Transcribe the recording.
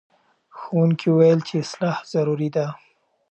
ښوونکي وویل چې اصلاح ضروري ده.